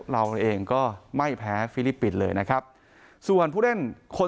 เราเองก็ไม่แพ้ฟิลิปปินส์เลยนะครับส่วนผู้เล่นคน